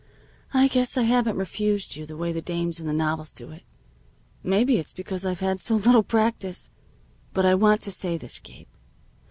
"I guess I haven't refused you the way the dames in the novels do it. Maybe it's because I've had so little practice. But I want to say this, Gabe.